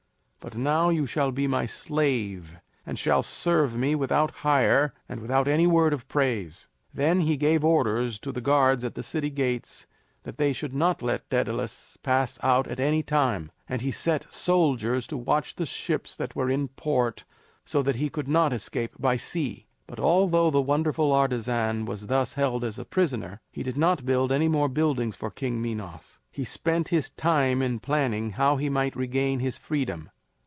But now you shall be my slave and shall serve me without hire and without any word of praise." Then he gave orders to the guards at the city gates that they should not let Daedalus pass out at any time, and he set soldiers to watch the ships that were in port so that he could not escape by sea. But although the wonderful artisan was thus held as a prisoner, he did not build any more buildings for King Minos; he spent his time in planning how he might regain his freedom.